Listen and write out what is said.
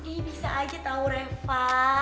ini bisa aja tau reva